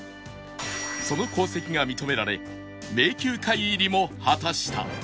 その功績が認められ名球会入りも果たした